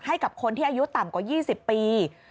ให้กับคนที่อายุต่ำกว่า๒๐ปี